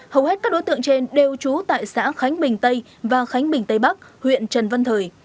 hầu hết các đối tượng trên đều trú tại xã khánh bình tây và khánh bình tây bắc huyện trần văn thời